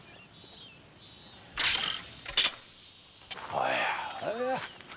おやおや。